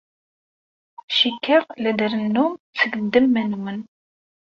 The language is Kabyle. Cikkeɣ la d-trennum seg ddemma-nwen.